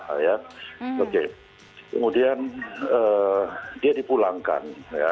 oke kemudian dia dipulangkan